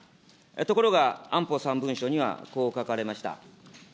ところが安保３文書にはこう書かれました。